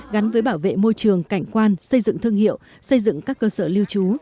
gắn với bảo vệ môi trường cảnh quan xây dựng thương hiệu xây dựng các cơ sở lưu trú